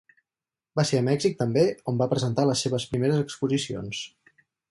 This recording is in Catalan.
Va ser a Mèxic també on va presentar les seves primeres exposicions.